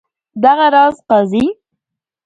دغه راز قاضي.